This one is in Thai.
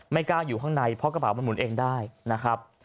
กล้าอยู่ข้างในเพราะกระเป๋ามันหมุนเองได้นะครับ